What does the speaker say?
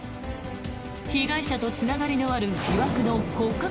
被害者とつながりのある疑惑の骨格